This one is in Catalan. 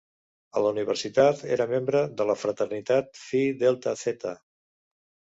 A la universitat era membre de la fraternitat Phi Delta Theta.